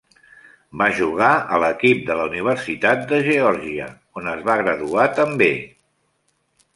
Va jugar a l'equip de la Universitat de Georgia, on es va graduar també.